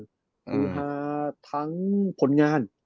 คือฮาทั้งผลงาน